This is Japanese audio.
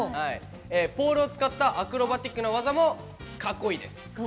ポールを使ったアクロバティックな技もかっこいいです。